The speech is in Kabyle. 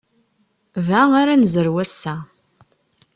Da ara nezrew ass-a.